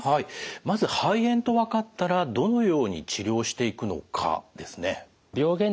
まず肺炎と分かったらどのように治療していくのかですね。